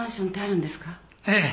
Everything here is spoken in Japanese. ええ。